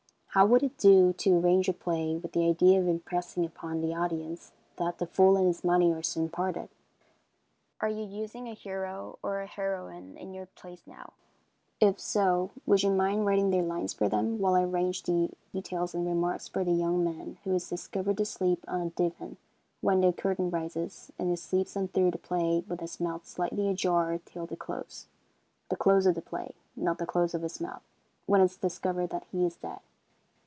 How would it do to arrange a play with the idea of impressing upon the audience that "the fool and his money are soon parted?" Are you using a hero and a heroine in your plays now? If so, would you mind writing their lines for them, while I arrange the details and remarks for the young man who is discovered asleep on a divan when the curtain rises, and who sleeps on through the play with his mouth slightly ajar till the close the close of the play, not the close of his mouth when it is discovered that he is dead.